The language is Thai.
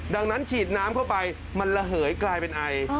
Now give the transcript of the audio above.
ดังนั้นฉีดน้ำเข้าไปมันระเหยกลายเป็นไอ